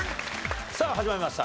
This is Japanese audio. さあ始まりました。